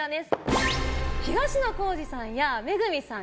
東野幸治さんや恵さん